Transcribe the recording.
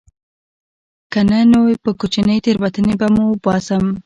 که نه نو په کوچنۍ تېروتنې به مو وباسم